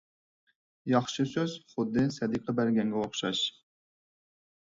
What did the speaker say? ياخشى سۆز خۇددى سەدىقە بەرگەنگە ئوخشاش.